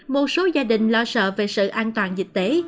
một số gia đình lo sợ về sự an toàn dịch tễ